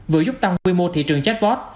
vừa giúp tăng quy mô thị trường chatbot